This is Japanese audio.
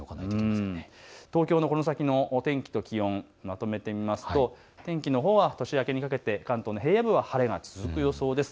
東京のこの先の天気と気温、まとめてみますと天気のほうは年明けにかけて関東の平野部は晴れが続く予想です。